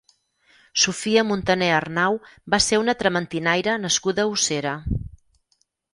Sofia Montaner Arnau va ser una trementinaire nascuda a Ossera.